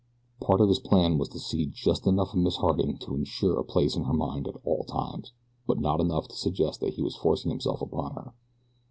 Part of his plan was to see just enough of Miss Harding to insure a place in her mind at all times; but not enough to suggest that he was forcing himself upon her.